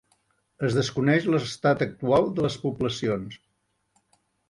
Es desconeix l'estat actual de les poblacions.